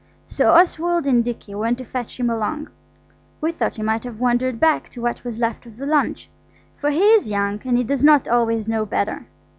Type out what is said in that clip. So Oswald and Dicky went to fetch him along. We thought he might have wandered back to what was left of the lunch–for he is young and he does not always know better.